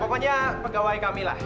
pokoknya pegawai kami lah